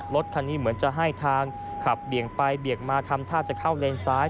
รถคันนี้เหมือนจะให้ทางขับเบี่ยงไปเบี่ยงมาทำท่าจะเข้าเลนซ้าย